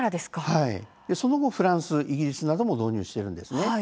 その後、フランス、イギリスなども導入しています。